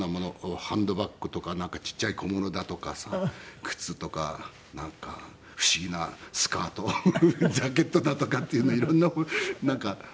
ハンドバッグとかちっちゃい小物だとかさ靴とかなんか不思議なスカートジャケットだとかっていうの色んなものなんか。